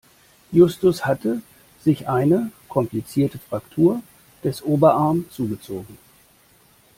Justus hatte sich eine komplizierte Fraktur des Oberarm zugezogen.